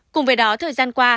cùng với đó thời gian qua